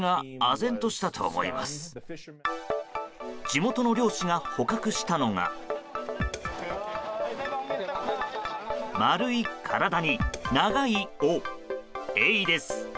地元の漁師が捕獲したのが丸い体に長い尾、エイです。